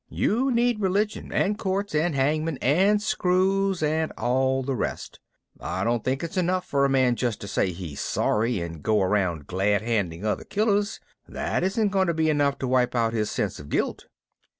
You need religion and courts and hangmen and screws and all the rest of it. I don't think it's enough for a man just to say he's sorry and go around glad handing other killers that isn't going to be enough to wipe out his sense of guilt."